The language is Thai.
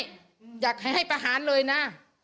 อยากให้ให้ประหารเลยนะ